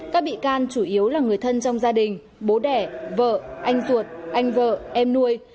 các bị can chủ yếu là người thân trong gia đình bố đẻ vợ anh tuột anh vợ em nuôi